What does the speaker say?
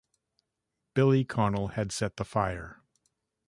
"Billy" Connell had set the fire.